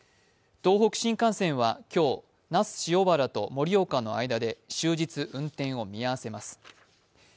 東北新幹線は今日、那須塩原と盛岡の間で終日、運転を見合わせます。